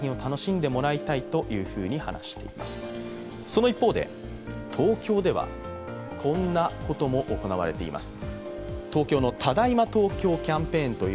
その一方で東京では、こんなことも行われています。